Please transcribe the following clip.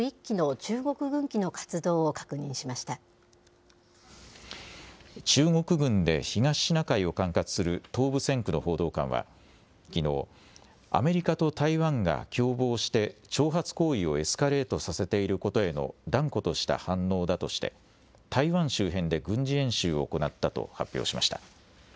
中国軍で東シナ海を管轄する東部戦区の報道官は、きのう、アメリカと台湾が共謀して、挑発行為をエスカレートさせていることへの断固とした反応だとして、台湾周辺で軍事演習を行ったと発表しました。